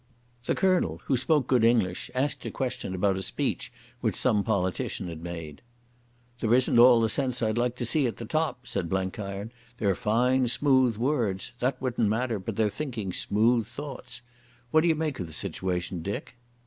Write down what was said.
The Colonel, who spoke good English, asked a question about a speech which some politician had made. "There isn't all the sense I'd like to see at the top," said Blenkiron. "They're fine at smooth words. That wouldn't matter, but they're thinking smooth thoughts. What d'you make of the situation, Dick?"